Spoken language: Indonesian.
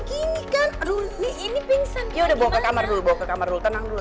ini kan ruli ini pingsan ya udah bawa ke kamar dulu bawa ke kamar rul tenang dulu